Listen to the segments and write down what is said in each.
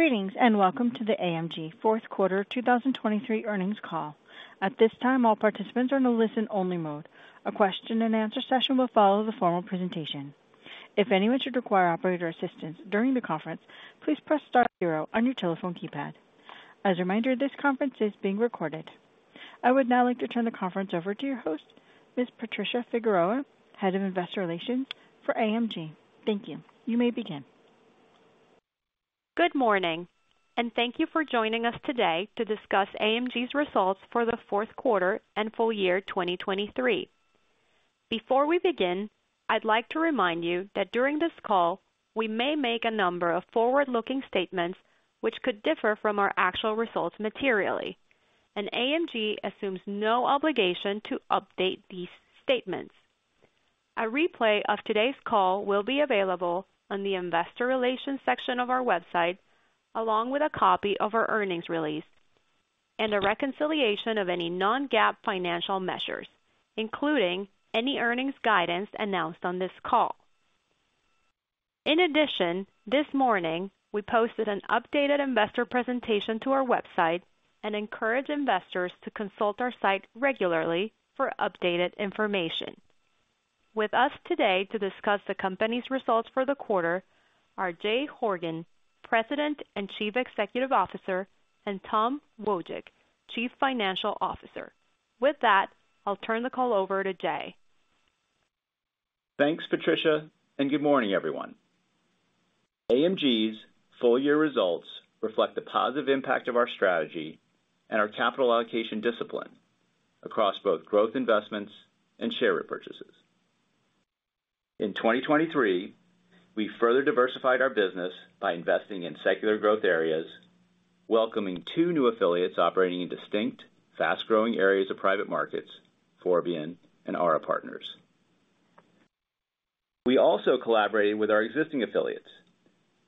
Greetings, and welcome to the AMG fourth quarter 2023 earnings call. At this time, all participants are in a listen-only mode. A question and answer session will follow the formal presentation. If anyone should require operator assistance during the conference, please press star zero on your telephone keypad. As a reminder, this conference is being recorded. I would now like to turn the conference over to your host, Ms. Patricia Figueroa, Head of Investor Relations for AMG. Thank you. You may begin. Good morning, and thank you for joining us today to discuss AMG's results for the fourth quarter and full year 2023. Before we begin, I'd like to remind you that during this call, we may make a number of forward-looking statements which could differ from our actual results materially, and AMG assumes no obligation to update these statements. A replay of today's call will be available on the investor relations section of our website, along with a copy of our earnings release and a reconciliation of any non-GAAP financial measures, including any earnings guidance announced on this call. In addition, this morning, we posted an updated investor presentation to our website and encourage investors to consult our site regularly for updated information. With us today to discuss the company's results for the quarter are Jay Horgen, President and Chief Executive Officer, and Tom Wojcik, Chief Financial Officer. With that, I'll turn the call over to Jay. Thanks, Patricia, and good morning, everyone. AMG's full year results reflect the positive impact of our strategy and our capital allocation discipline across both growth investments and share repurchases. In 2023, we further diversified our business by investing in secular growth areas, welcoming two new affiliates operating in distinct, fast-growing areas of private markets, Forbion and Ara Partners. We also collaborated with our existing affiliates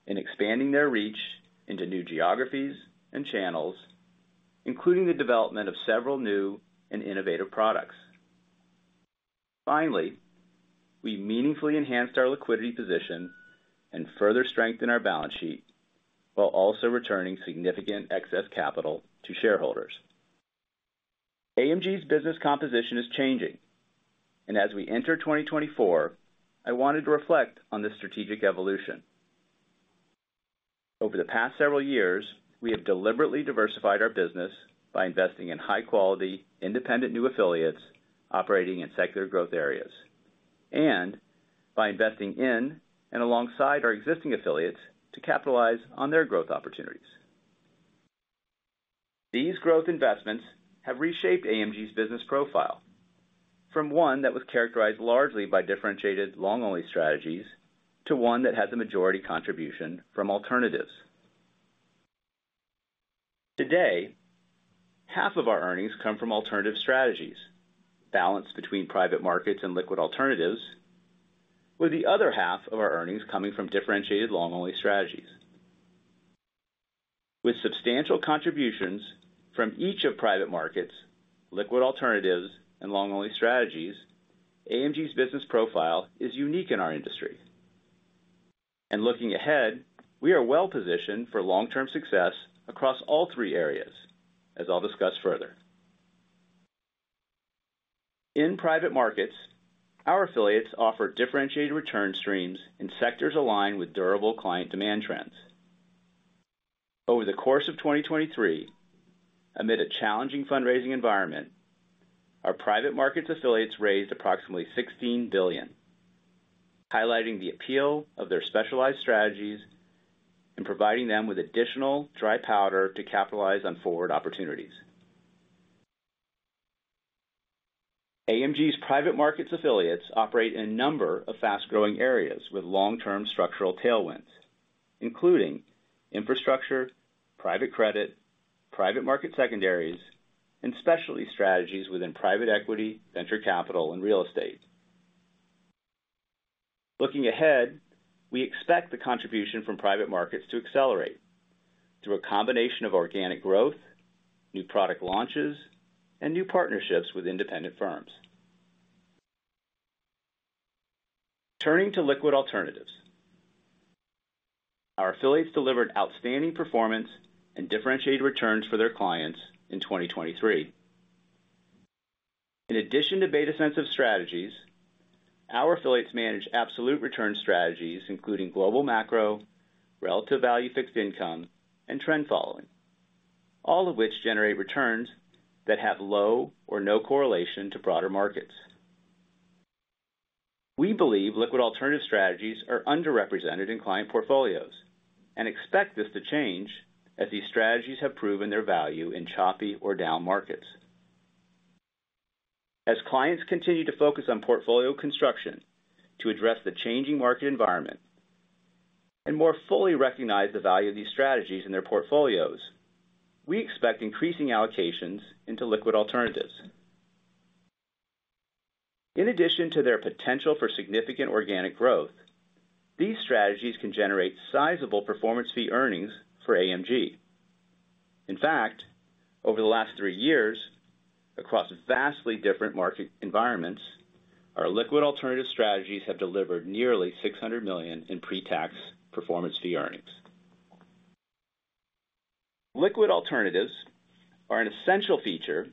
in expanding their reach into new geographies and channels, including the development of several new and innovative products. Finally, we meaningfully enhanced our liquidity position and further strengthened our balance sheet, while also returning significant excess capital to shareholders. AMG's business composition is changing, and as we enter 2024, I wanted to reflect on this strategic evolution. Over the past several years, we have deliberately diversified our business by investing in high quality, independent new affiliates operating in secular growth areas, and by investing in and alongside our existing affiliates to capitalize on their growth opportunities. These growth investments have reshaped AMG's business profile from one that was characterized largely by differentiated long-only strategies, to one that has a majority contribution from alternatives. Today, 1/2 of our earnings come from alternative strategies, balanced between private markets and liquid alternatives, with the other 1/2 of our earnings coming from differentiated long-only strategies. With substantial contributions from each of private markets, liquid alternatives, and long-only strategies, AMG's business profile is unique in our industry. And looking ahead, we are well positioned for long-term success across all three areas, as I'll discuss further. In private markets, our affiliates offer differentiated return streams in sectors aligned with durable client demand trends. Over the course of 2023, amid a challenging fundraising environment, our private markets affiliates raised approximately $16 billion, highlighting the appeal of their specialized strategies and providing them with additional dry powder to capitalize on forward opportunities. AMG's private markets affiliates operate in a number of fast-growing areas with long-term structural tailwinds, including infrastructure, private credit, private market secondaries, and specialty strategies within private equity, venture capital, and real estate. Looking ahead, we expect the contribution from private markets to accelerate through a combination of organic growth, new product launches, and new partnerships with independent firms. Turning to liquid alternatives. Our affiliates delivered outstanding performance and differentiated returns for their clients in 2023. In addition to beta-sensitive strategies, our affiliates manage absolute return strategies, including global macro, relative value fixed income, and trend following, all of which generate returns that have low or no correlation to broader markets. We believe liquid alternative strategies are underrepresented in client portfolios and expect this to change as these strategies have proven their value in choppy or down markets. As clients continue to focus on portfolio construction to address the changing market environment and more fully recognize the value of these strategies in their portfolios, we expect increasing allocations into liquid alternatives. In addition to their potential for significant organic growth, these strategies can generate sizable performance fee earnings for AMG. In fact, over the last three years, across vastly different market environments, our liquid alternative strategies have delivered nearly $600 million in pre-tax performance fee earnings. Liquid alternatives are an essential feature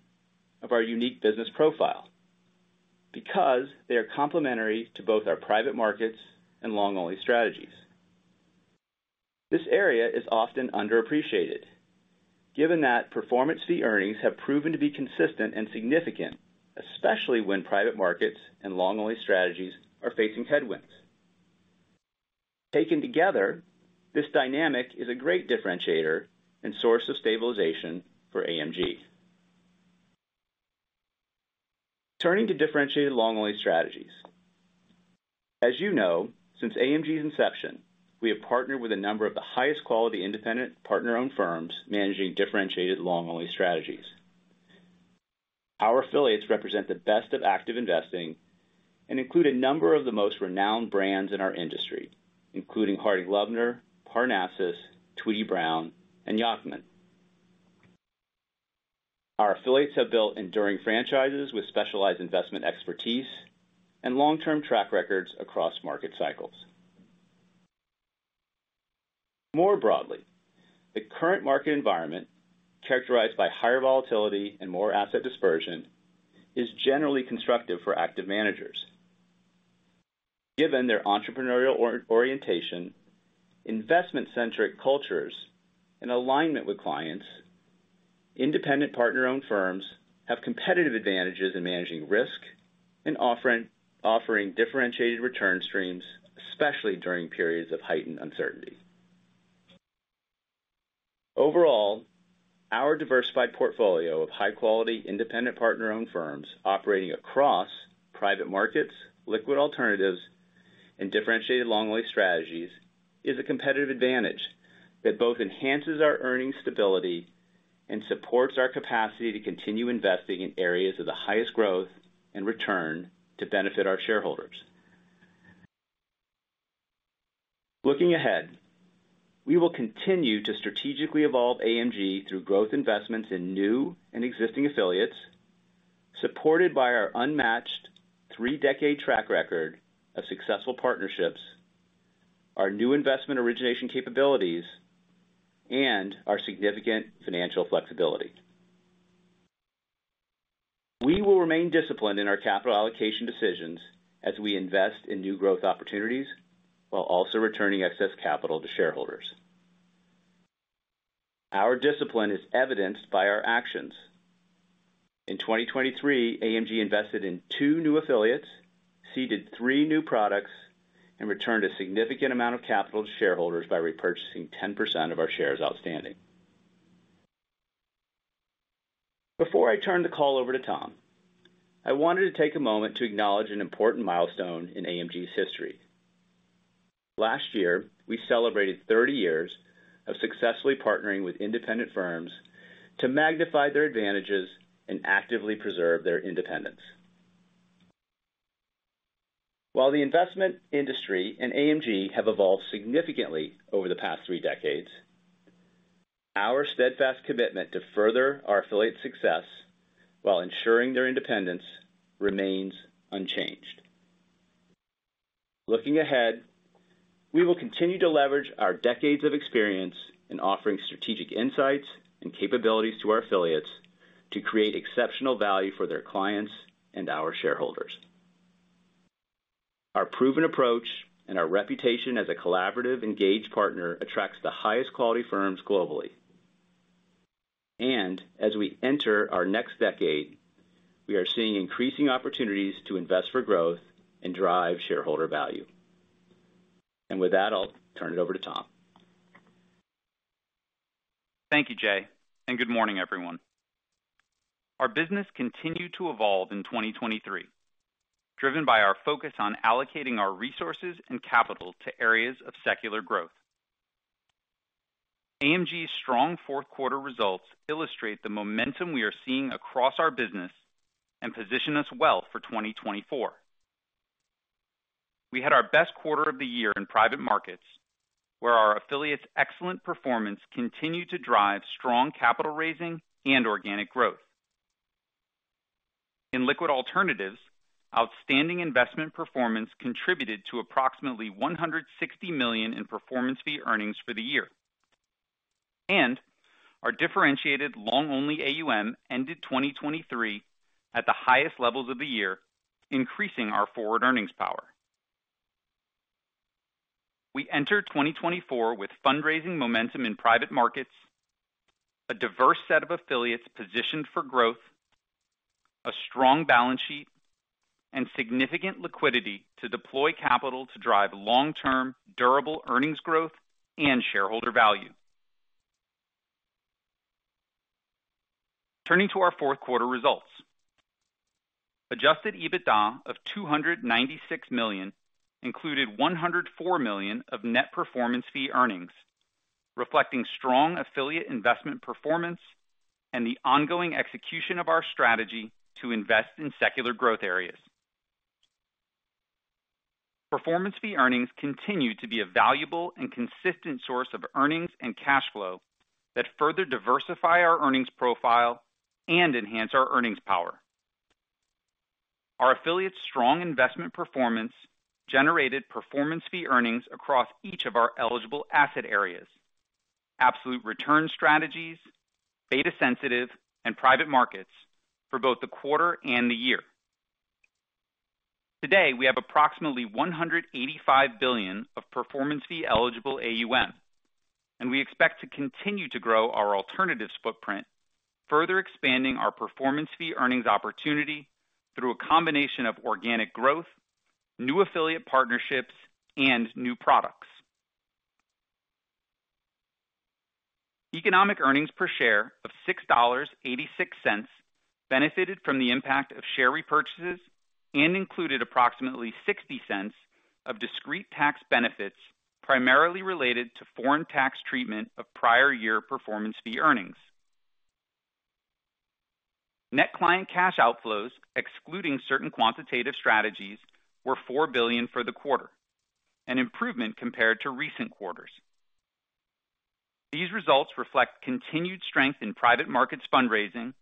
of our unique business profile because they are complementary to both our private markets and long-only strategies. This area is often underappreciated, given that performance fee earnings have proven to be consistent and significant, especially when private markets and long-only strategies are facing headwinds. Taken together, this dynamic is a great differentiator and source of stabilization for AMG. Turning to differentiated long-only strategies. As you know, since AMG's inception, we have partnered with a number of the highest quality independent partner-owned firms managing differentiated long-only strategies. Our affiliates represent the best of active investing and include a number of the most renowned brands in our industry, including Harding Loevner, Parnassus, Tweedy, Browne, and Yacktman. Our affiliates have built enduring franchises with specialized investment expertise and long-term track records across market cycles. More broadly, the current market environment, characterized by higher volatility and more asset dispersion, is generally constructive for active managers. Given their entrepreneurial orientation, investment-centric cultures, and alignment with clients, independent partner-owned firms have competitive advantages in managing risk and offering differentiated return streams, especially during periods of heightened uncertainty. Overall, our diversified portfolio of high-quality, independent partner-owned firms operating across private markets, liquid alternatives, and differentiated long-only strategies, is a competitive advantage that both enhances our earnings stability and supports our capacity to continue investing in areas of the highest growth and return to benefit our shareholders. Looking ahead, we will continue to strategically evolve AMG through growth investments in new and existing affiliates, supported by our unmatched three-decade track record of successful partnerships, our new investment origination capabilities, and our significant financial flexibility. We will remain disciplined in our capital allocation decisions as we invest in new growth opportunities, while also returning excess capital to shareholders. Our discipline is evidenced by our actions. In 2023, AMG invested in two new affiliates, seeded three new products, and returned a significant amount of capital to shareholders by repurchasing 10% of our shares outstanding. Before I turn the call over to Tom, I wanted to take a moment to acknowledge an important milestone in AMG's history. Last year, we celebrated 30 years of successfully partnering with independent firms to magnify their advantages and actively preserve their independence. While the investment industry and AMG have evolved significantly over the past three decades, our steadfast commitment to further our affiliates' success while ensuring their independence, remains unchanged. Looking ahead, we will continue to leverage our decades of experience in offering strategic insights and capabilities to our affiliates to create exceptional value for their clients and our shareholders. Our proven approach and our reputation as a collaborative, engaged partner attracts the highest quality firms globally. As we enter our next decade, we are seeing increasing opportunities to invest for growth and drive shareholder value. With that, I'll turn it over to Tom. Thank you, Jay, and good morning, everyone. Our business continued to evolve in 2023, driven by our focus on allocating our resources and capital to areas of secular growth. AMG's strong fourth quarter results illustrate the momentum we are seeing across our business and position us well for 2024. We had our best quarter of the year in private markets, where our affiliates' excellent performance continued to drive strong capital raising and organic growth. In liquid alternatives, outstanding investment performance contributed to approximately $160 million in performance fee earnings for the year. Our differentiated long-only AUM ended 2023 at the highest levels of the year, increasing our forward earnings power. We entered 2024 with fundraising momentum in private markets, a diverse set of affiliates positioned for growth, a strong balance sheet, and significant liquidity to deploy capital to drive long-term, durable earnings growth and shareholder value. Turning to our fourth quarter results. Adjusted EBITDA of $296 million included $104 million of net performance fee earnings, reflecting strong affiliate investment performance and the ongoing execution of our strategy to invest in secular growth areas... Performance fee earnings continue to be a valuable and consistent source of earnings and cash flow that further diversify our earnings profile and enhance our earnings power. Our affiliates' strong investment performance generated performance fee earnings across each of our eligible asset areas, absolute return strategies, beta-sensitive, and private markets for both the quarter and the year. Today, we have approximately $185 billion of performance fee eligible AUM, and we expect to continue to grow our alternatives footprint, further expanding our performance fee earnings opportunity through a combination of organic growth, new affiliate partnerships, and new products. Economic Earnings per share of $6.86, benefited from the impact of share repurchases and included approximately $0.60 of discrete tax benefits, primarily related to foreign tax treatment of prior year performance fee earnings. Net client cash outflows, excluding certain quantitative strategies, were $4 billion for the quarter, an improvement compared to recent quarters. These results reflect continued strength in private markets fundraising,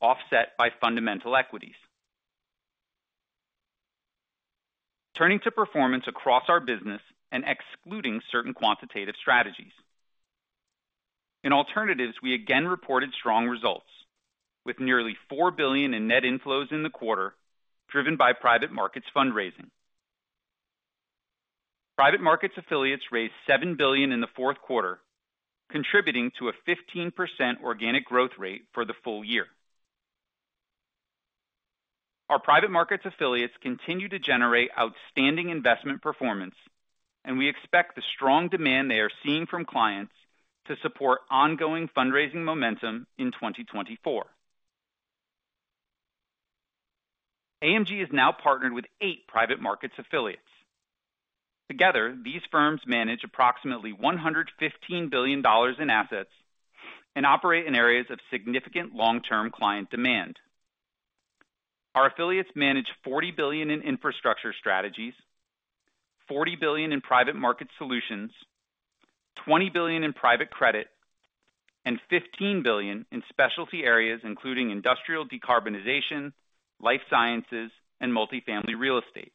offset by fundamental equities. Turning to performance across our business and excluding certain quantitative strategies. In alternatives, we again reported strong results, with nearly $4 billion in net inflows in the quarter, driven by private markets fundraising. Private markets affiliates raised $7 billion in the fourth quarter, contributing to a 15% organic growth rate for the full year. Our private markets affiliates continue to generate outstanding investment performance, and we expect the strong demand they are seeing from clients to support ongoing fundraising momentum in 2024. AMG is now partnered with eight private markets affiliates. Together, these firms manage approximately $115 billion in assets and operate in areas of significant long-term client demand. Our affiliates manage $40 billion in infrastructure strategies, $40 billion in private market solutions, $20 billion in private credit, and $15 billion in specialty areas, including industrial decarbonization, life sciences, and multifamily real estate.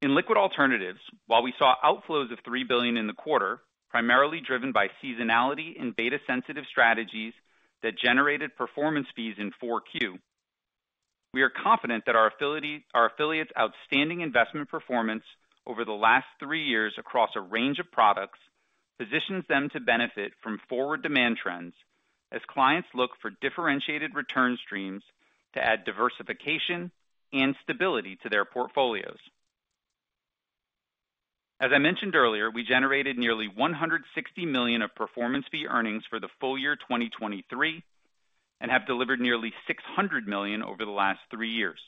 In liquid alternatives, while we saw outflows of $3 billion in the quarter, primarily driven by seasonality and beta-sensitive strategies that generated performance fees in Q4, we are confident that our affiliates' outstanding investment performance over the last three years across a range of products, positions them to benefit from forward demand trends as clients look for differentiated return streams to add diversification and stability to their portfolios. As I mentioned earlier, we generated nearly $160 million of performance fee earnings for the full year 2023, and have delivered nearly $600 million over the last three years.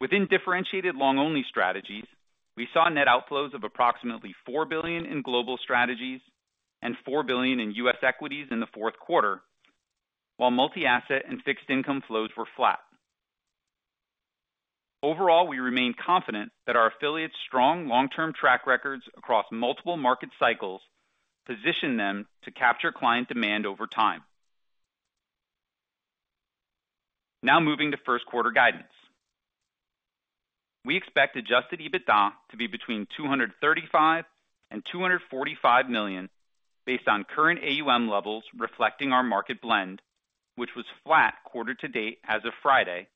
Within differentiated long-only strategies, we saw net outflows of approximately $4 billion in global strategies and $4 billion in U.S. equities in the fourth quarter, while multi-asset and fixed income flows were flat. Overall, we remain confident that our affiliates' strong long-term track records across multiple market cycles position them to capture client demand over time. Now, moving to first quarter guidance. We expect adjusted EBITDA to be between $235 million and $245 million, based on current AUM levels, reflecting our market blend, which was flat quarter to date as of Friday, and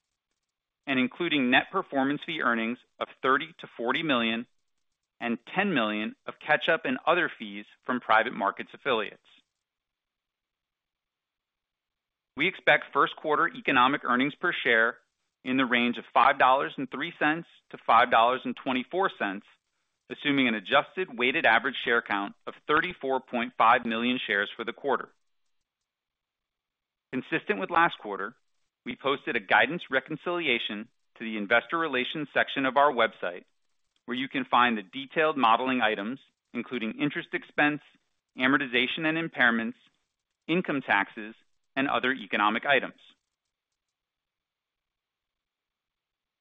including net performance fee earnings of $30 million-$40 million and $10 million of catch-up and other fees from private markets affiliates. We expect first quarter Economic Earnings Per Share in the range of $5.03-$5.24, assuming an adjusted weighted average share count of 34.5 million shares for the quarter. Consistent with last quarter, we posted a guidance reconciliation to the investor relations section of our website, where you can find the detailed modeling items, including interest expense, amortization and impairments, income taxes, and other economic items.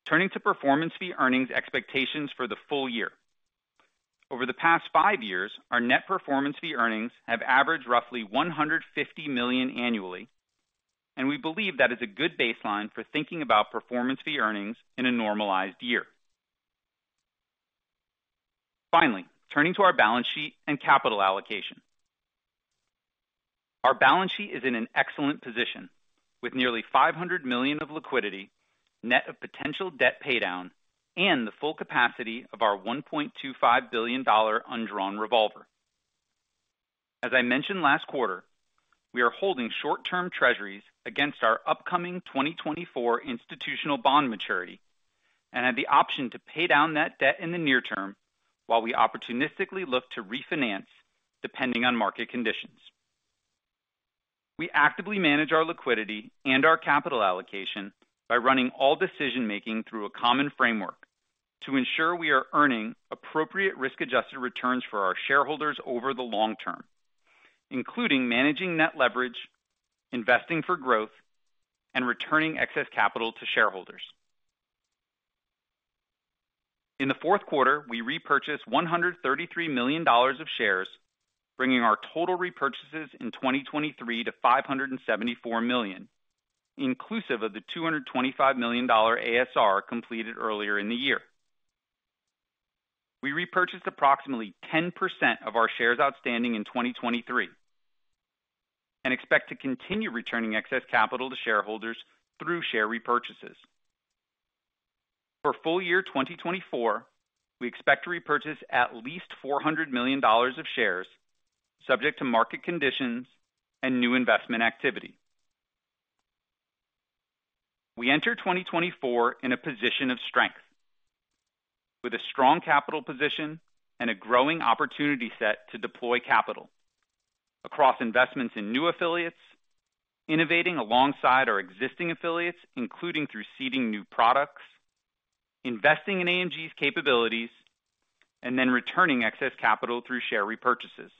Turning to performance fee earnings expectations for the full year. Over the past five years, our net performance fee earnings have averaged roughly $150 million annually, and we believe that is a good baseline for thinking about performance fee earnings in a normalized year. Finally, turning to our balance sheet and capital allocation. Our balance sheet is in an excellent position, with nearly $500 million of liquidity, net of potential debt paydown, and the full capacity of our $1.25 billion undrawn revolver. As I mentioned last quarter, we are holding short-term Treasuries against our upcoming 2024 institutional bond maturity and have the option to pay down that debt in the near term while we opportunistically look to refinance, depending on market conditions. We actively manage our liquidity and our capital allocation by running all decision-making through a common framework to ensure we are earning appropriate risk-adjusted returns for our shareholders over the long term.... including managing net leverage, investing for growth, and returning excess capital to shareholders. In the fourth quarter, we repurchased $133 million of shares, bringing our total repurchases in 2023 to $574 million, inclusive of the $225 million ASR completed earlier in the year. We repurchased approximately 10% of our shares outstanding in 2023, and expect to continue returning excess capital to shareholders through share repurchases. For full year 2024, we expect to repurchase at least $400 million of shares, subject to market conditions and new investment activity. We enter 2024 in a position of strength, with a strong capital position and a growing opportunity set to deploy capital across investments in new affiliates, innovating alongside our existing affiliates, including through seeding new products, investing in AMG's capabilities, and then returning excess capital through share repurchases.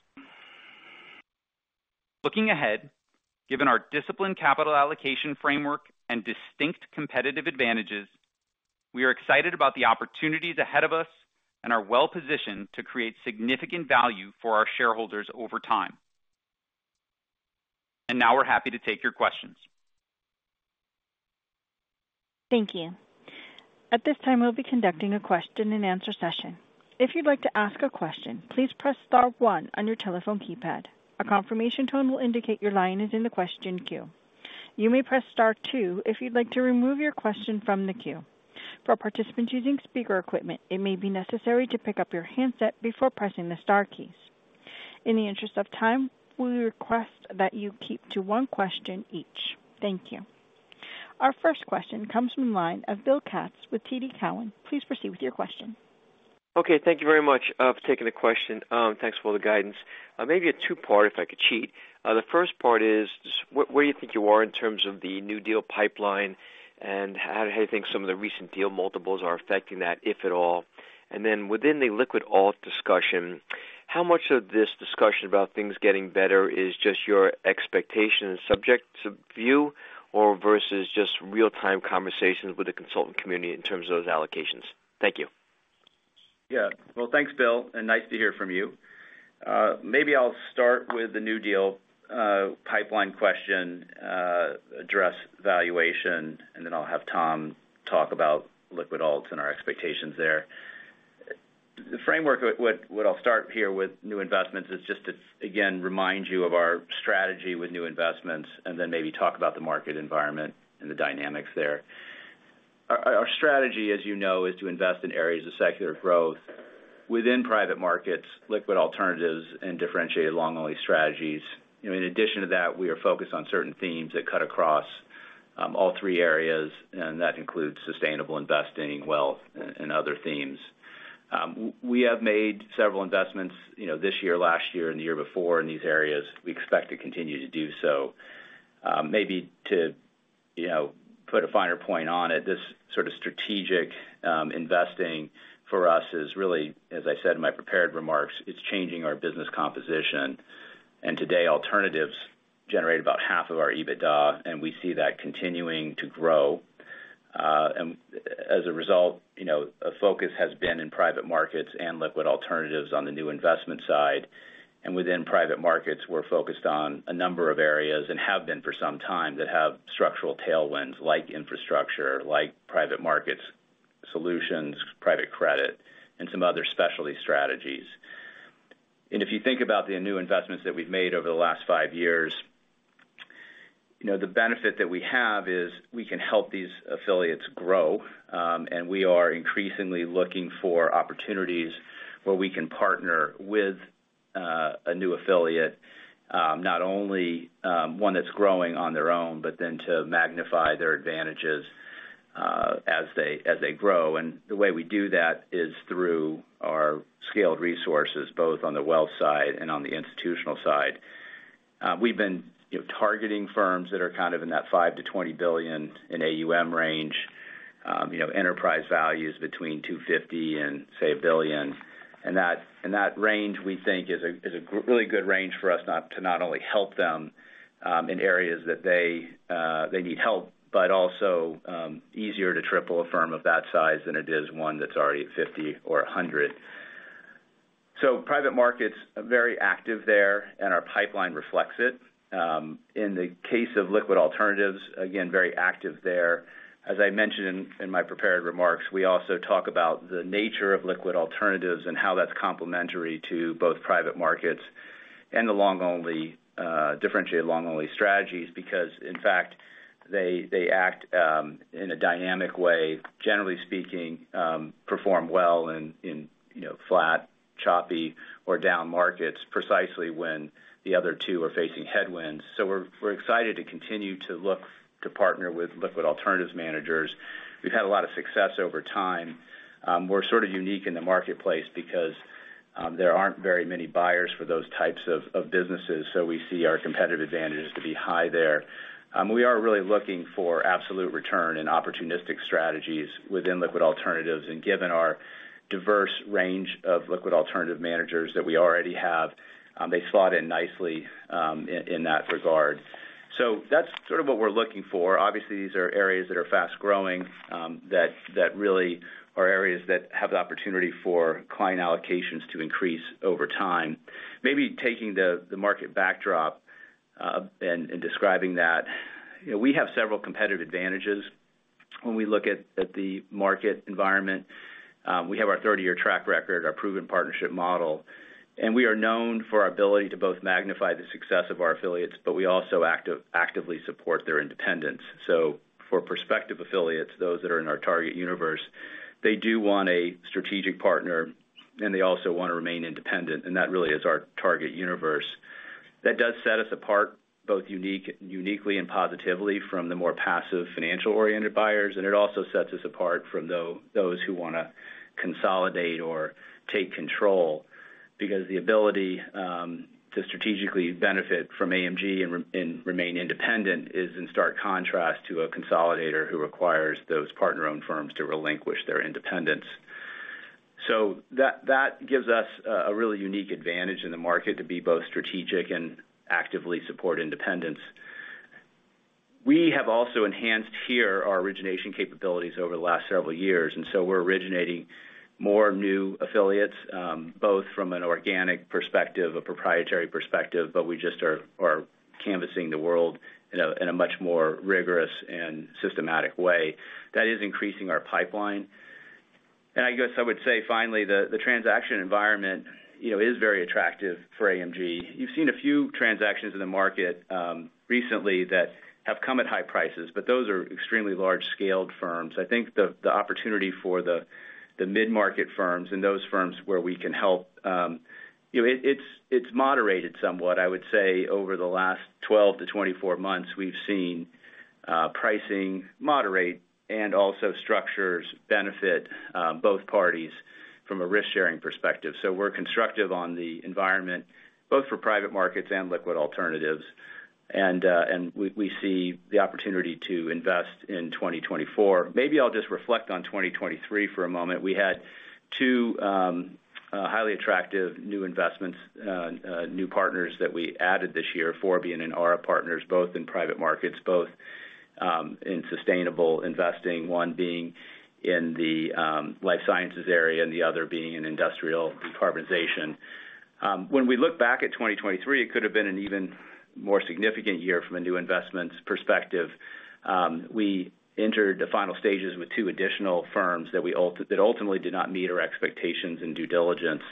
Looking ahead, given our disciplined capital allocation framework and distinct competitive advantages, we are excited about the opportunities ahead of us and are well-positioned to create significant value for our shareholders over time. And now we're happy to take your questions. Thank you. At this time, we'll be conducting a question-and-answer session. If you'd like to ask a question, please press star one on your telephone keypad. A confirmation tone will indicate your line is in the question queue. You may press star two if you'd like to remove your question from the queue. For participants using speaker equipment, it may be necessary to pick up your handset before pressing the star keys. In the interest of time, we request that you keep to one question each. Thank you. Our first question comes from the line of Bill Katz with TD Cowen. Please proceed with your question. Okay, thank you very much for taking the question. Thanks for all the guidance. Maybe a two-part, if I could cheat. The first part is, where do you think you are in terms of the new deal pipeline? And how, how do you think some of the recent deal multiples are affecting that, if at all? And then within the liquid alt discussion, how much of this discussion about things getting better is just your expectation and subject to view or versus just real-time conversations with the consultant community in terms of those allocations? Thank you. Yeah. Well, thanks, Bill, and nice to hear from you. Maybe I'll start with the new deal pipeline question, address valuation, and then I'll have Tom talk about liquid alts and our expectations there. The framework I'll start here with new investments is just to, again, remind you of our strategy with new investments and then maybe talk about the market environment and the dynamics there. Our strategy, as you know, is to invest in areas of secular growth within private markets, liquid alternatives, and differentiated long-only strategies. You know, in addition to that, we are focused on certain themes that cut across all three areas, and that includes sustainable investing, wealth, and other themes. We have made several investments, you know, this year, last year, and the year before in these areas. We expect to continue to do so. Maybe to, you know, put a finer point on it, this sort of strategic investing for us is really, as I said in my prepared remarks, it's changing our business composition. And today, alternatives generate about half of our EBITDA, and we see that continuing to grow. As a result, you know, a focus has been in private markets and liquid alternatives on the new investment side. And within private markets, we're focused on a number of areas and have been for some time, that have structural tailwinds, like infrastructure, like private markets solutions, private credit, and some other specialty strategies. If you think about the new investments that we've made over the last five years, you know, the benefit that we have is we can help these affiliates grow, and we are increasingly looking for opportunities where we can partner with a new affiliate, not only one that's growing on their own, but then to magnify their advantages as they grow. And the way we do that is through our scaled resources, both on the wealth side and on the institutional side. We've been, you know, targeting firms that are kind of in that $5 billion-$20 billion in AUM range, you know, enterprise values between $250 million and, say, $1 billion. And that range, we think, is a really good range for us not only to help them in areas that they need help, but also easier to triple a firm of that size than it is one that's already at 50 or 100. So private markets, very active there, and our pipeline reflects it. In the case of liquid alternatives, again, very active there. As I mentioned in my prepared remarks, we also talk about the nature of liquid alternatives and how that's complementary to both private markets and the long-only differentiated long-only strategies. Because, in fact, they act in a dynamic way, generally speaking, perform well in, you know, flat, choppy, or down markets precisely when the other two are facing headwinds. So we're excited to continue to look to partner with liquid alternatives managers. We've had a lot of success over time. We're sort of unique in the marketplace because there aren't very many buyers for those types of businesses, so we see our competitive advantages to be high there. We are really looking for absolute return and opportunistic strategies within liquid alternatives, and given our diverse range of liquid alternative managers that we already have, they slot in nicely in that regard. So that's sort of what we're looking for. Obviously, these are areas that are fast-growing that really are areas that have the opportunity for client allocations to increase over time. Maybe taking the market backdrop and describing that. You know, we have several competitive advantages when we look at the market environment. We have our 30-year track record, our proven partnership model, and we are known for our ability to both magnify the success of our affiliates, but we also actively support their independence. So for prospective affiliates, those that are in our target universe, they do want a strategic partner, and they also want to remain independent, and that really is our target universe. That does set us apart, both uniquely and positively from the more passive financial-oriented buyers, and it also sets us apart from those who wanna consolidate or take control. Because the ability to strategically benefit from AMG and remain independent is in stark contrast to a consolidator who requires those partner-owned firms to relinquish their independence. So that gives us a really unique advantage in the market to be both strategic and actively support independence. We have also enhanced here our origination capabilities over the last several years, and so we're originating more new affiliates, both from an organic perspective, a proprietary perspective, but we just are, are canvassing the world in a, in a much more rigorous and systematic way. That is increasing our pipeline. And I guess I would say finally, the transaction environment, you know, is very attractive for AMG. You've seen a few transactions in the market, recently that have come at high prices, but those are extremely large-scaled firms. I think the opportunity for the mid-market firms and those firms where we can help. You know, it's moderated somewhat. I would say over the last 12 to 24 months, we've seen pricing moderate and also structures benefit both parties from a risk-sharing perspective. So we're constructive on the environment, both for private markets and liquid alternatives. And we see the opportunity to invest in 2024. Maybe I'll just reflect on 2023 for a moment. We had two highly attractive new investments, new partners that we added this year, Forbion and Ara Partners, both in private markets, both in sustainable investing, one being in the life sciences area and the other being in industrial decarbonization. When we look back at 2023, it could have been an even more significant year from a new investments perspective. We entered the final stages with two additional firms that ultimately did not meet our expectations in due diligence.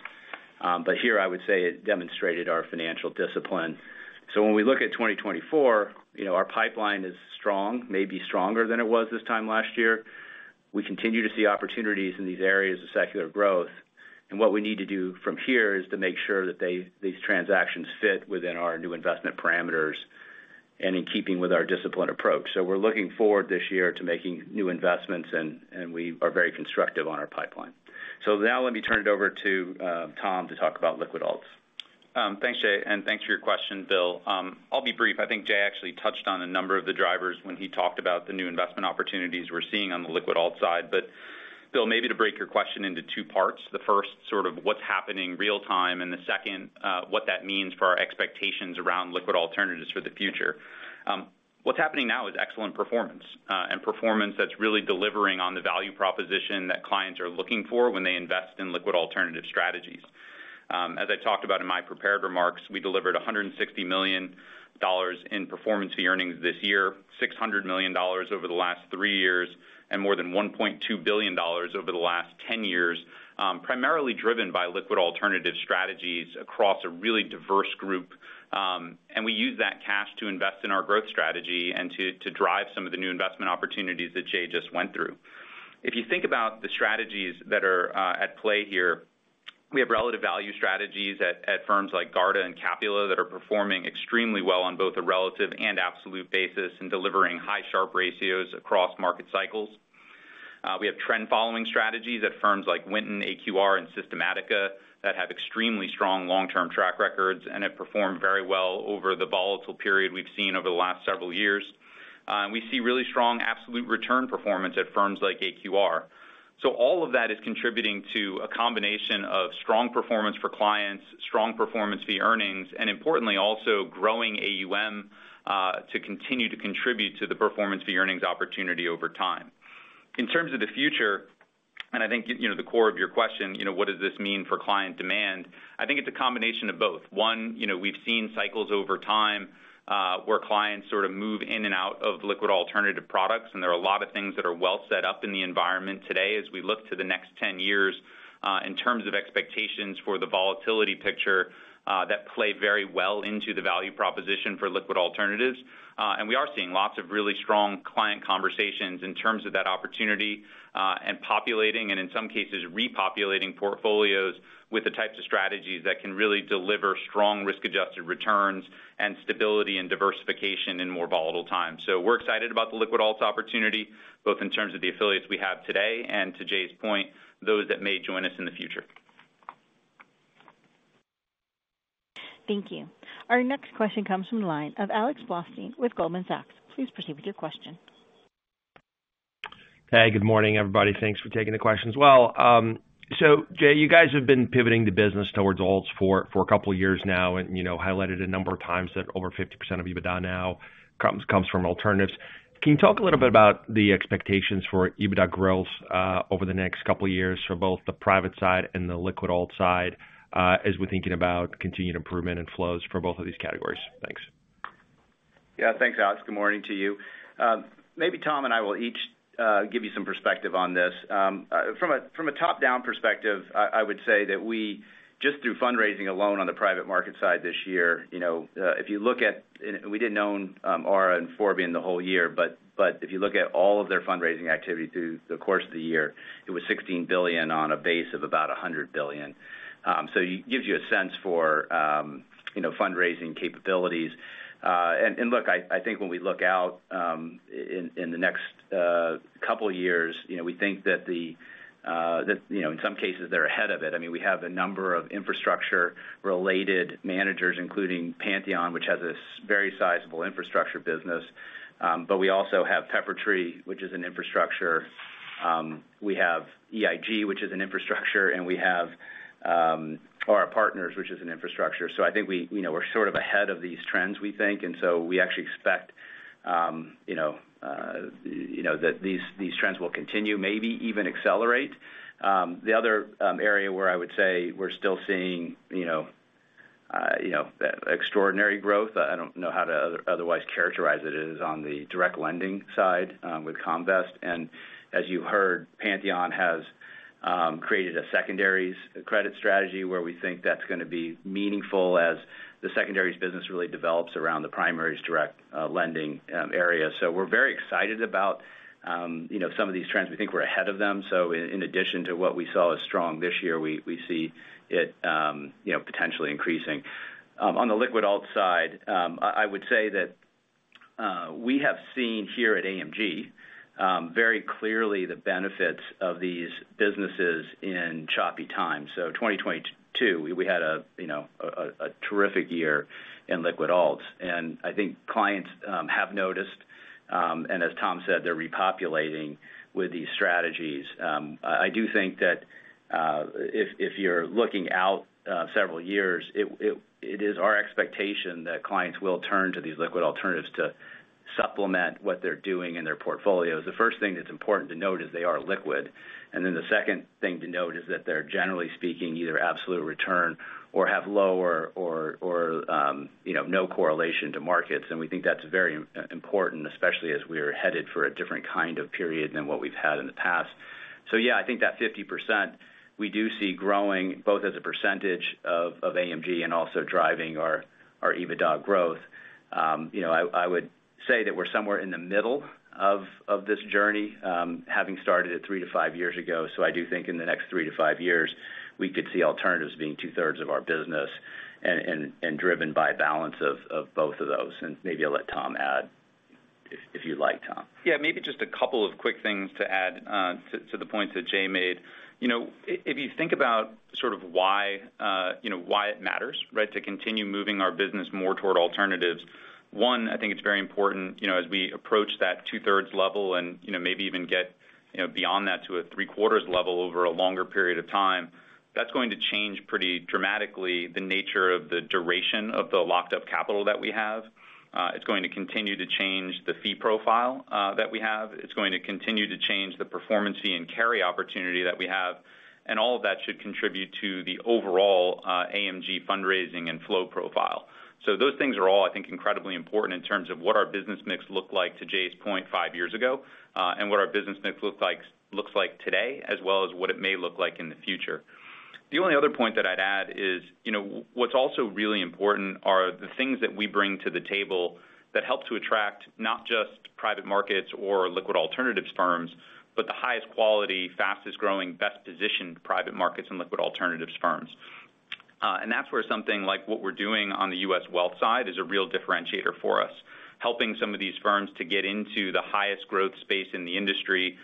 But here I would say it demonstrated our financial discipline. So when we look at 2024, you know, our pipeline is strong, maybe stronger than it was this time last year. We continue to see opportunities in these areas of secular growth, and what we need to do from here is to make sure that these transactions fit within our new investment parameters and in keeping with our disciplined approach. So we're looking forward this year to making new investments, and we are very constructive on our pipeline. So now let me turn it over to Tom to talk about liquid alts. Thanks, Jay, and thanks for your question, Bill. I'll be brief. I think Jay actually touched on a number of the drivers when he talked about the new investment opportunities we're seeing on the liquid alt side. But Bill, maybe to break your question into two parts, the first, sort of what's happening real-time, and the second, what that means for our expectations around liquid alternatives for the future. What's happening now is excellent performance, and performance that's really delivering on the value proposition that clients are looking for when they invest in liquid alternative strategies. As I talked about in my prepared remarks, we delivered $160 million in performance fee earnings this year, $600 million over the last three years, and more than $1.2 billion over the last 10 years, primarily driven by liquid alternative strategies across a really diverse group. And we use that cash to invest in our growth strategy and to drive some of the new investment opportunities that Jay just went through. If you think about the strategies that are at play here, we have relative value strategies at firms like Garda and Capula that are performing extremely well on both a relative and absolute basis, and delivering high Sharpe ratios across market cycles. We have trend-following strategies at firms like Winton, AQR, and Systematica that have extremely strong long-term track records and have performed very well over the volatile period we've seen over the last several years. And we see really strong absolute return performance at firms like AQR. So all of that is contributing to a combination of strong performance for clients, strong performance fee earnings, and importantly, also growing AUM to continue to contribute to the performance fee earnings opportunity over time. In terms of the future, and I think, you know, the core of your question, you know, what does this mean for client demand? I think it's a combination of both. You know, we've seen cycles over time, where clients sort of move in and out of liquid alternative products, and there are a lot of things that are well set up in the environment today as we look to the next 10 years, in terms of expectations for the volatility picture, that play very well into the value proposition for liquid alternatives. And we are seeing lots of really strong client conversations in terms of that opportunity, and populating, and in some cases, repopulating portfolios with the types of strategies that can really deliver strong risk-adjusted returns and stability and diversification in more volatile times. So we're excited about the liquid alts opportunity, both in terms of the affiliates we have today, and to Jay's point, those that may join us in the future. ... Thank you. Our next question comes from the line of Alex Blostein with Goldman Sachs. Please proceed with your question. Hey, good morning, everybody. Thanks for taking the questions. Well, so Jay, you guys have been pivoting the business towards alts for, for a couple of years now, and, you know, highlighted a number of times that over 50% of EBITDA now comes, comes from alternatives. Can you talk a little bit about the expectations for EBITDA growth, over the next couple of years for both the private side and the liquid alt side, as we're thinking about continued improvement in flows for both of these categories? Thanks. Yeah. Thanks, Alex. Good morning to you. Maybe Tom and I will each give you some perspective on this. From a top-down perspective, I would say that we just do fundraising alone on the private market side this year. You know, if you look at... We didn't own Ara and Forbion the whole year, but if you look at all of their fundraising activity through the course of the year, it was $16 billion on a base of about $100 billion. So it gives you a sense for, you know, fundraising capabilities. And look, I think when we look out in the next couple of years, you know, we think that the that, you know, in some cases, they're ahead of it. I mean, we have a number of infrastructure-related managers, including Pantheon, which has this very sizable infrastructure business. But we also have Peppertree, which is an infrastructure. We have EIG, which is an infrastructure, and we have Ara Partners, which is an infrastructure. So I think we, you know, we're sort of ahead of these trends, we think, and so we actually expect that these trends will continue, maybe even accelerate. The other area where I would say we're still seeing, you know, extraordinary growth, I don't know how to otherwise characterize it, is on the direct lending side, with Comvest. And as you heard, Pantheon has created a secondaries credit strategy where we think that's gonna be meaningful as the secondaries business really develops around the primaries direct lending area. So we're very excited about, you know, some of these trends. We think we're ahead of them. So in addition to what we saw as strong this year, we see it, you know, potentially increasing. On the liquid alt side, I would say that we have seen here at AMG very clearly the benefits of these businesses in choppy times. So 2022, we had a, you know, terrific year in liquid alts, and I think clients have noticed, and as Tom said, they're repopulating with these strategies. I do think that if you're looking out several years, it is our expectation that clients will turn to these liquid alternatives to supplement what they're doing in their portfolios. The first thing that's important to note is they are liquid, and then the second thing to note is that they're, generally speaking, either absolute return or have lower, you know, no correlation to markets. We think that's very important, especially as we are headed for a different kind of period than what we've had in the past. So yeah, I think that 50%, we do see growing both as a percentage of AMG and also driving our EBITDA growth. You know, I would say that we're somewhere in the middle of this journey, having started it three to five years ago. So I do think in the next three to five years, we could see alternatives being two-thirds of our business and driven by balance of both of those. And maybe I'll let Tom add, if you'd like, Tom. Yeah, maybe just a couple of quick things to add to the points that Jay made. You know, if you think about sort of why, you know, why it matters, right, to continue moving our business more toward alternatives, one, I think it's very important, you know, as we approach that two-thirds level and, you know, maybe even get, you know, beyond that to a three-quarters level over a longer period of time, that's going to change pretty dramatically the nature of the duration of the locked up capital that we have. It's going to continue to change the fee profile that we have. It's going to continue to change the performance fee and carry opportunity that we have, and all of that should contribute to the overall AMG fundraising and flow profile. So those things are all, I think, incredibly important in terms of what our business mix looked like, to Jay's point, five years ago, and what our business mix looks like today, as well as what it may look like in the future. The only other point that I'd add is, you know, what's also really important are the things that we bring to the table that help to attract not just private markets or liquid alternatives firms, but the highest quality, fastest-growing, best-positioned private markets and liquid alternatives firms. And that's where something like what we're doing on the U.S. wealth side is a real differentiator for us, helping some of these firms to get into the highest growth space in the industry,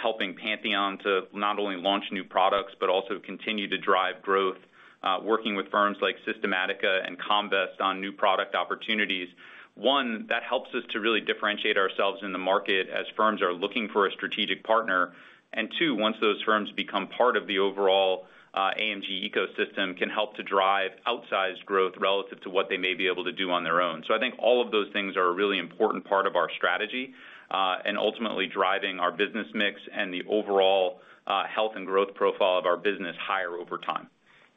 helping Pantheon to not only launch new products, but also continue to drive growth, working with firms like Systematica and Comvest on new product opportunities. One, that helps us to really differentiate ourselves in the market as firms are looking for a strategic partner. And two, once those firms become part of the overall, AMG ecosystem, can help to drive outsized growth relative to what they may be able to do on their own. So I think all of those things are a really important part of our strategy, and ultimately driving our business mix and the overall, health and growth profile of our business higher over time.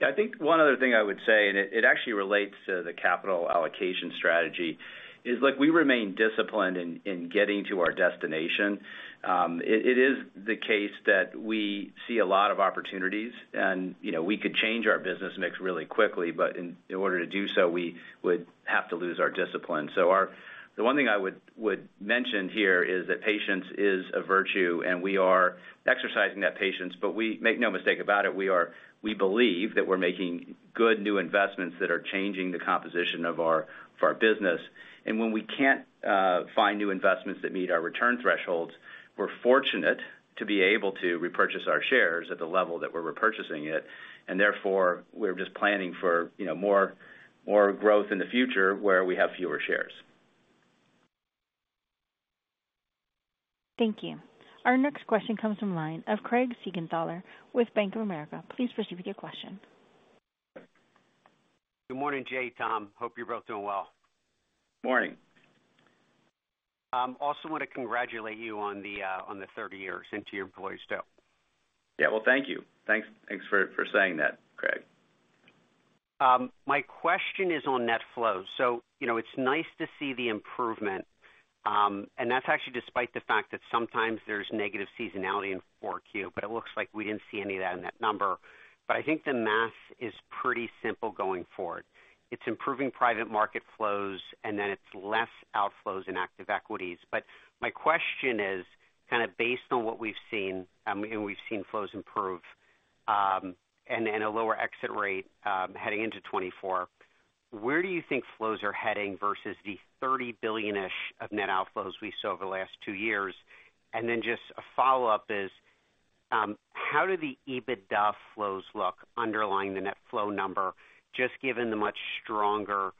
Yeah, I think one other thing I would say, and it actually relates to the capital allocation strategy, is, look, we remain disciplined in getting to our destination. It is the case that we see a lot of opportunities and, you know, we could change our business mix really quickly, but in order to do so, we would have to lose our discipline. So the one thing I would mention here is that patience is a virtue, and we are exercising that patience, but make no mistake about it, we are. We believe that we're making good new investments that are changing the composition of our business. And when we can't find new investments that meet our return thresholds, we're fortunate to be able to repurchase our shares at the level that we're repurchasing it, and therefore, we're just planning for, you know, more, more growth in the future where we have fewer shares. Thank you. Our next question comes from the line of Craig Siegenthaler with Bank of America. Please proceed with your question. Good morning, Jay, Tom. Hope you're both doing well. Morning. Also want to congratulate you on the 30 years, and to your employees, too. Yeah, well, thank you. Thanks for saying that, Craig. My question is on net flows. So, you know, it's nice to see the improvement, and that's actually despite the fact that sometimes there's negative seasonality in Q4, but it looks like we didn't see any of that in that number. But I think the math is pretty simple going forward. It's improving private market flows, and then it's less outflows in active equities. But my question is, kind of based on what we've seen, and we've seen flows improve, and a lower exit rate, heading into 2024, where do you think flows are heading versus the $30 billion-ish of net outflows we saw over the last two years? And then just a follow-up is, how do the EBITDA flows look underlying the net flow number, just given the much stronger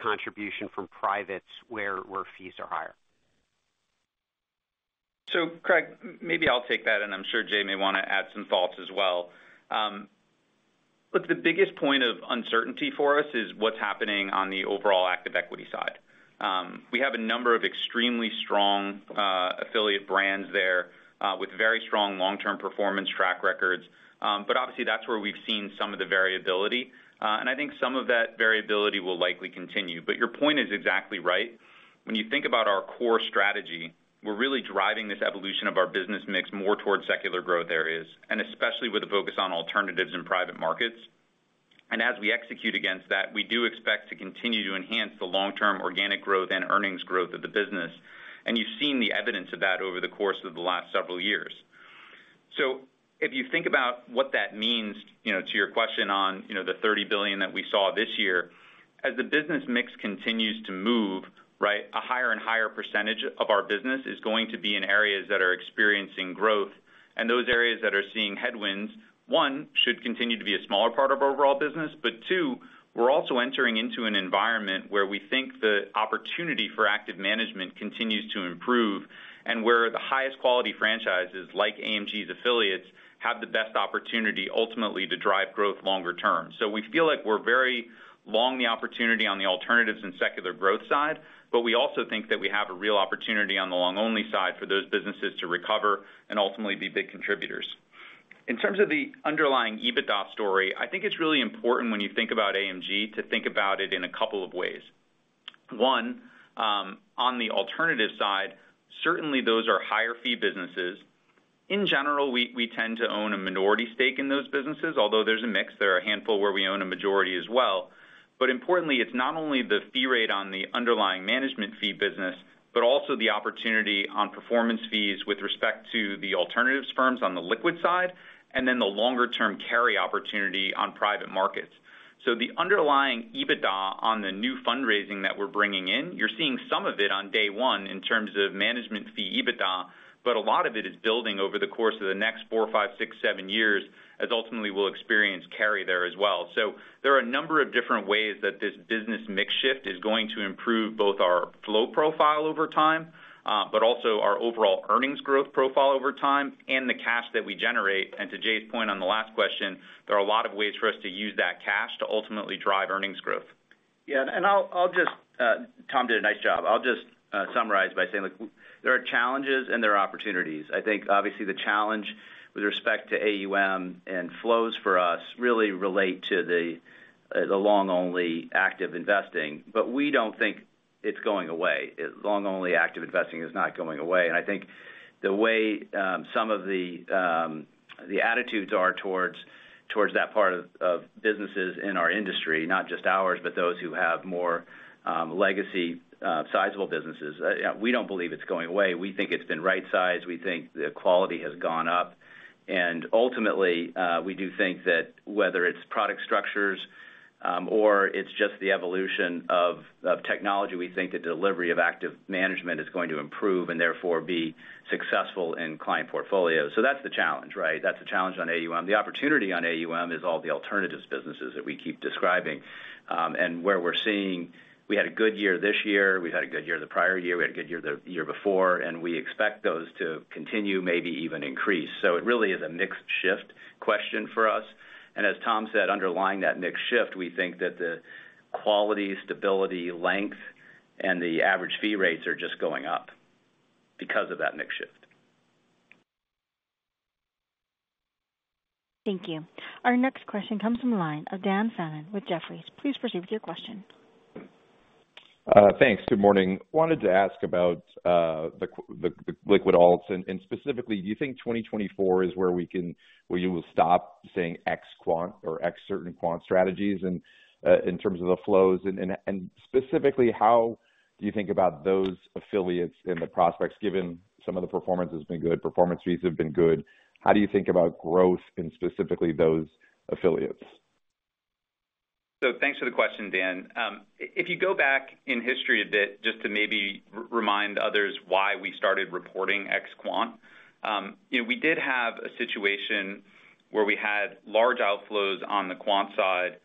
contribution from privates where fees are higher? So, Craig, maybe I'll take that, and I'm sure Jay may wanna add some thoughts as well. Look, the biggest point of uncertainty for us is what's happening on the overall active equity side. We have a number of extremely strong affiliate brands there with very strong long-term performance track records. But obviously, that's where we've seen some of the variability, and I think some of that variability will likely continue. But your point is exactly right. When you think about our core strategy, we're really driving this evolution of our business mix more towards secular growth areas, and especially with a focus on alternatives in private markets. And as we execute against that, we do expect to continue to enhance the long-term organic growth and earnings growth of the business, and you've seen the evidence of that over the course of the last several years. So if you think about what that means, you know, to your question on, you know, the $30 billion that we saw this year, as the business mix continues to move, right, a higher and higher percentage of our business is going to be in areas that are experiencing growth. And those areas that are seeing headwinds, one, should continue to be a smaller part of our overall business, but two, we're also entering into an environment where we think the opportunity for active management continues to improve and where the highest quality franchises, like AMG's affiliates, have the best opportunity ultimately to drive growth longer term. So we feel like we're very long the opportunity on the alternatives and secular growth side, but we also think that we have a real opportunity on the long-only side for those businesses to recover and ultimately be big contributors. In terms of the underlying EBITDA story, I think it's really important when you think about AMG, to think about it in a couple of ways. One, on the alternative side, certainly those are higher fee businesses. In general, we, we tend to own a minority stake in those businesses, although there's a mix. There are a handful where we own a majority as well. But importantly, it's not only the fee rate on the underlying management fee business, but also the opportunity on performance fees with respect to the alternatives firms on the liquid side, and then the longer term carry opportunity on private markets. So the underlying EBITDA on the new fundraising that we're bringing in, you're seeing some of it on day one in terms of management fee EBITDA, but a lot of it is building over the course of the next four, five, six, seven years, as ultimately we'll experience carry there as well. So there are a number of different ways that this business mix shift is going to improve both our flow profile over time, but also our overall earnings growth profile over time and the cash that we generate. And to Jay's point on the last question, there are a lot of ways for us to use that cash to ultimately drive earnings growth. Yeah, and Tom did a nice job. I'll just summarize by saying, look, there are challenges and there are opportunities. I think obviously the challenge with respect to AUM and flows for us really relate to the long-only active investing, but we don't think it's going away. Long-only active investing is not going away. I think the way some of the attitudes are towards that part of businesses in our industry, not just ours, but those who have more legacy sizable businesses, yeah, we don't believe it's going away. We think it's been right-sized. We think the quality has gone up, and ultimately we do think that whether it's product structures or it's just the evolution of technology, we think the delivery of active management is going to improve and therefore be successful in client portfolios. So that's the challenge, right? That's the challenge on AUM. The opportunity on AUM is all the alternatives businesses that we keep describing, and where we're seeing... We had a good year this year, we've had a good year the prior year, we had a good year the year before, and we expect those to continue, maybe even increase. So it really is a mixed shift question for us. And as Tom said, underlying that mix shift, we think that the quality, stability, length, and the average fee rates are just going up because of that mix shift. Thank you. Our next question comes from the line of Dan Fannon with Jefferies. Please proceed with your question. Thanks. Good morning. Wanted to ask about the liquid alts, and specifically, do you think 2024 is where you will stop saying ex quant or ex certain quant strategies, in terms of the flows? And specifically, how do you think about those affiliates and the prospects, given some of the performance has been good, performance fees have been good, how do you think about growth in specifically those affiliates? So thanks for the question, Dan. If you go back in history a bit, just to maybe remind others why we started reporting ex quant. You know, we did have a situation where we had large outflows on the quant side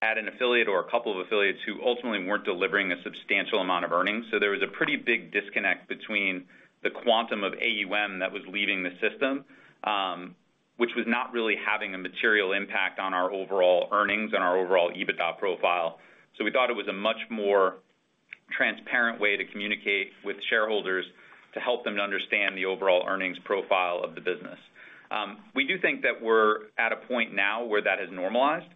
and an affiliate or a couple of affiliates who ultimately weren't delivering a substantial amount of earnings. So there was a pretty big disconnect between the quantum of AUM that was leaving the system, which was not really having a material impact on our overall earnings, on our overall EBITDA profile. So we thought it was a much more transparent way to communicate with shareholders to help them to understand the overall earnings profile of the business. We do think that we're at a point now where that has normalized.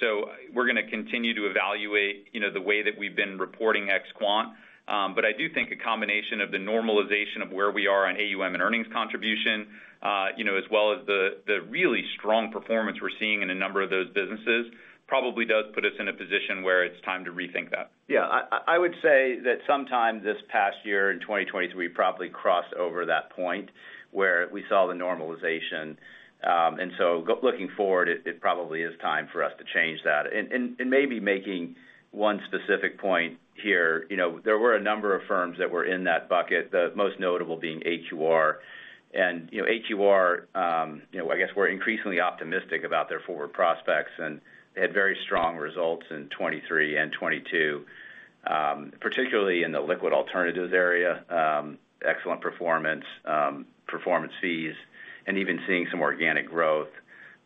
So we're gonna continue to evaluate, you know, the way that we've been reporting ex quant. But I do think a combination of the normalization of where we are on AUM and earnings contribution, you know, as well as the really strong performance we're seeing in a number of those businesses, probably does put us in a position where it's time to rethink that. Yeah, I would say that sometime this past year, in 2023, we probably crossed over that point where we saw the normalization. And so looking forward, it probably is time for us to change that. And maybe making one specific point here, you know, there were a number of firms that were in that bucket, the most notable being AQR. And, you know, AQR, you know, I guess we're increasingly optimistic about their forward prospects, and they had very strong results in 2023 and 2022, particularly in the liquid alternatives area, excellent performance, performance fees, and even seeing some organic growth.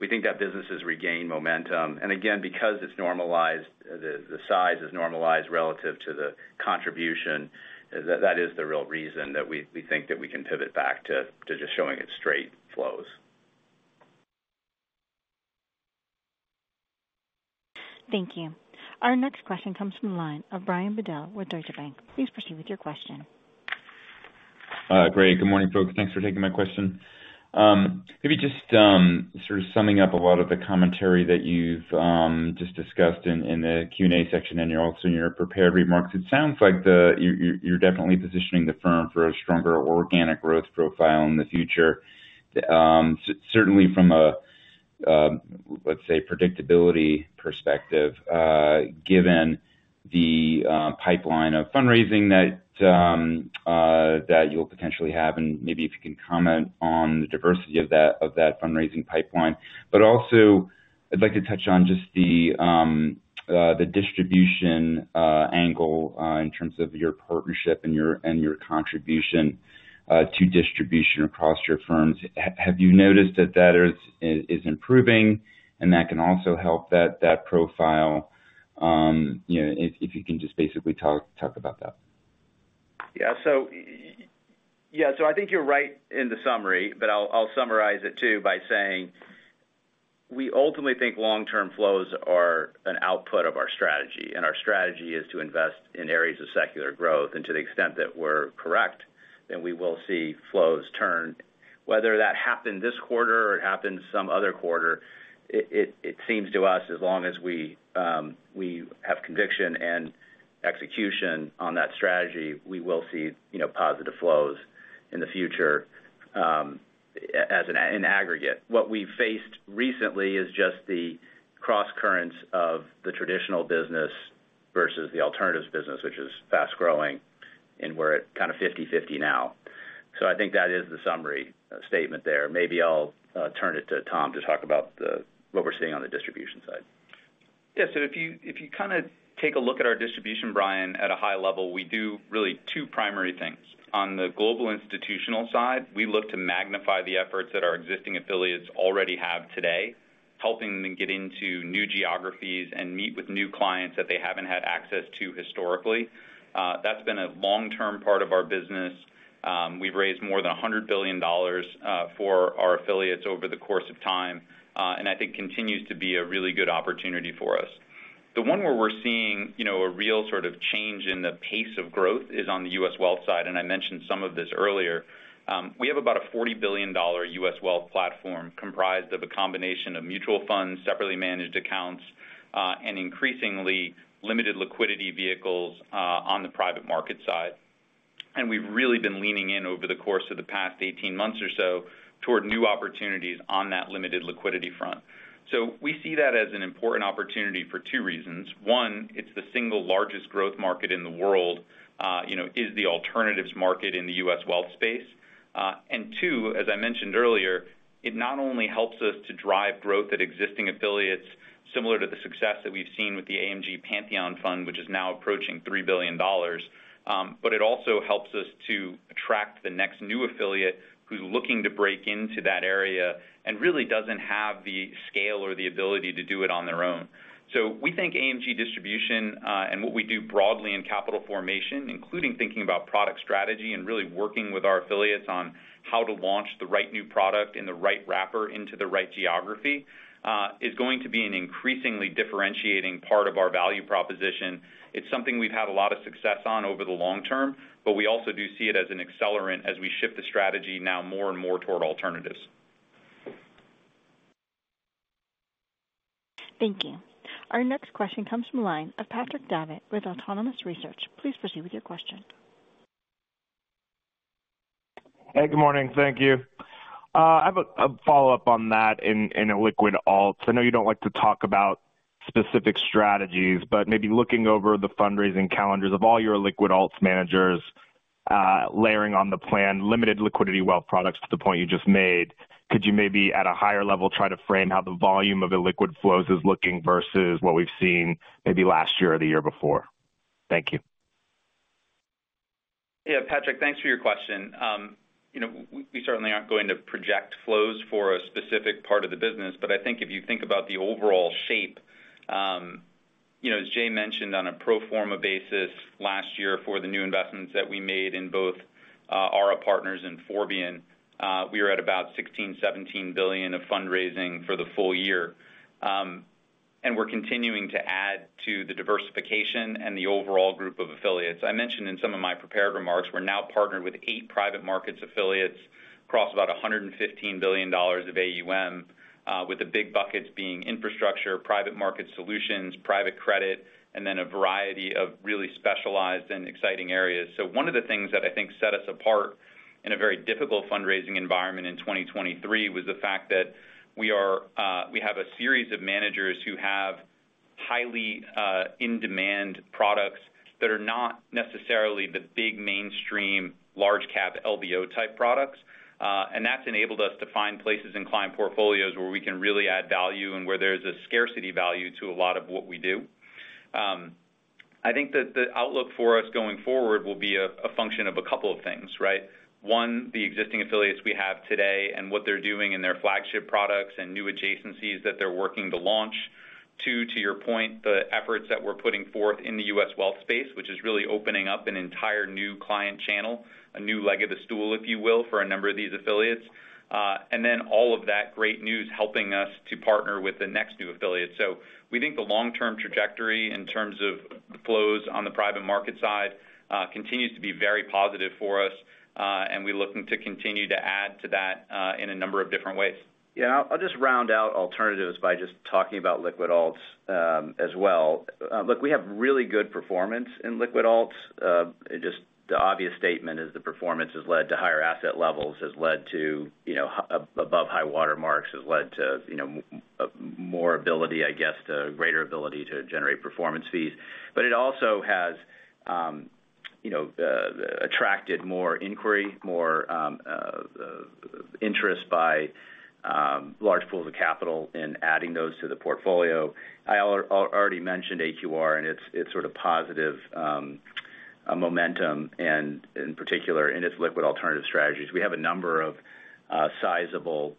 We think that business has regained momentum. And again, because it's normalized, the size is normalized relative to the contribution, that is the real reason that we think that we can pivot back to just showing it straight flows. Thank you. Our next question comes from the line of Brian Bedell with Deutsche Bank. Please proceed with your question. Great. Good morning, folks. Thanks for taking my question. Maybe just sort of summing up a lot of the commentary that you've just discussed in the Q&A section, and you're also in your prepared remarks. It sounds like you're definitely positioning the firm for a stronger organic growth profile in the future. Certainly from a, let's say, predictability perspective, given the pipeline of fundraising that you'll potentially have, and maybe if you can comment on the diversity of that fundraising pipeline. But also, I'd like to touch on just the distribution angle in terms of your partnership and your contribution to distribution across your firms. Have you noticed that that is improving and that can also help that profile? You know, if you can just basically talk about that. Yeah. So, yeah, so I think you're right in the summary, but I'll, I'll summarize it too by saying, we ultimately think long-term flows are an output of our strategy, and our strategy is to invest in areas of secular growth. And to the extent that we're correct, then we will see flows turn. Whether that happened this quarter or it happened some other quarter, it seems to us as long as we have conviction and execution on that strategy, we will see, you know, positive flows in the future, as an aggregate. What we've faced recently is just the crosscurrents of the traditional business versus the alternatives business, which is fast-growing, and we're at kind of 50/50 now. So I think that is the summary statement there. Maybe I'll turn it to Tom to talk about what we're seeing on the distribution side. Yeah. So if you, if you kind of take a look at our distribution, Brian, at a high level, we do really two primary things. On the global institutional side, we look to magnify the efforts that our existing affiliates already have today, helping them get into new geographies and meet with new clients that they haven't had access to historically. That's been a long-term part of our business. We've raised more than $100 billion for our affiliates over the course of time, and I think continues to be a really good opportunity for us. The one where we're seeing, you know, a real sort of change in the pace of growth is on the U.S. wealth side, and I mentioned some of this earlier. We have about a $40 billion U.S. wealth platform comprised of a combination of mutual funds, separately managed accounts, and increasingly limited liquidity vehicles on the private market side. We've really been leaning in over the course of the past 18 months or so toward new opportunities on that limited liquidity front. We see that as an important opportunity for two reasons. One, it's the single largest growth market in the world, you know, is the alternatives market in the U.S. wealth space. And two, as I mentioned earlier, it not only helps us to drive growth at existing affiliates, similar to the success that we've seen with the AMG Pantheon Fund, which is now approaching $3 billion, but it also helps us to attract the next new affiliate who's looking to break into that area and really doesn't have the scale or the ability to do it on their own. So we think AMG Distribution, and what we do broadly in capital formation, including thinking about product strategy and really working with our affiliates on how to launch the right new product in the right wrapper into the right geography, is going to be an increasingly differentiating part of our value proposition. It's something we've had a lot of success on over the long term, but we also do see it as an accelerant as we shift the strategy now more and more toward alternatives. Thank you. Our next question comes from the line of Patrick Davitt with Autonomous Research. Please proceed with your question. Hey, good morning. Thank you. I have a follow-up on that in liquid alts. I know you don't like to talk about specific strategies, but maybe looking over the fundraising calendars of all your liquid alts managers, layering on the planned limited liquidity wealth products to the point you just made. Could you maybe, at a higher level, try to frame how the volume of illiquid flows is looking versus what we've seen maybe last year or the year before? Thank you. Yeah, Patrick, thanks for your question. You know, we certainly aren't going to project flows for a specific part of the business, but I think if you think about the overall shape, you know, as Jay mentioned, on a pro forma basis, last year for the new investments that we made in both, Ara Partners and Forbion, we were at about $16 billion-$17 billion of fundraising for the full year. And we're continuing to add to the diversification and the overall group of affiliates. I mentioned in some of my prepared remarks, we're now partnered with eight private markets affiliates across about $115 billion of AUM, with the big buckets being infrastructure, private market solutions, private credit, and then a variety of really specialized and exciting areas. So one of the things that I think set us apart in a very difficult fundraising environment in 2023 was the fact that we are, we have a series of managers who have highly, in-demand products that are not necessarily the big mainstream, large cap LBO-type products. And that's enabled us to find places in client portfolios where we can really add value and where there's a scarcity value to a lot of what we do. I think that the outlook for us going forward will be a, a function of a couple of things, right? One, the existing affiliates we have today and what they're doing in their flagship products and new adjacencies that they're working to launch. Two, to your point, the efforts that we're putting forth in the U.S. wealth space, which is really opening up an entire new client channel, a new leg of the stool, if you will, for a number of these affiliates. And then all of that great news helping us to partner with the next new affiliate. So we think the long-term trajectory in terms of the flows on the private market side, continues to be very positive for us, and we're looking to continue to add to that, in a number of different ways. Yeah, I'll just round out alternatives by just talking about liquid alts as well. Look, we have really good performance in liquid alts. Just the obvious statement is the performance has led to higher asset levels, has led to, you know, above high water marks, has led to, you know, more ability, I guess, to greater ability to generate performance fees. But it also has, you know, attracted more inquiry, more interest by large pools of capital in adding those to the portfolio. I already mentioned AQR, and it's sort of positive momentum, and in particular, in its liquid alternative strategies. We have a number of sizable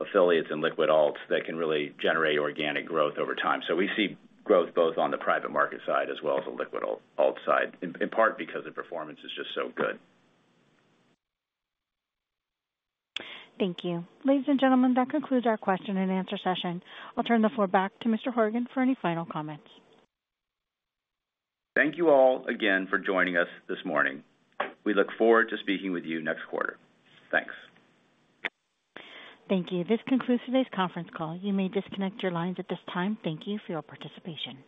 affiliates in liquid alts that can really generate organic growth over time. So we see growth both on the private market side as well as the liquid alt, alts side, in part because the performance is just so good. Thank you. Ladies and gentlemen, that concludes our question and answer session. I'll turn the floor back to Mr. Horgen for any final comments. Thank you all again for joining us this morning. We look forward to speaking with you next quarter. Thanks. Thank you. This concludes today's conference call. You may disconnect your lines at this time. Thank you for your participation.